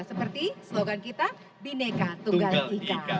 seperti slogan kita bineka tunggal ika